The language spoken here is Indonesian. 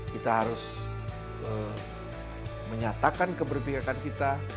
kita harus menyatakan keberpihakan kita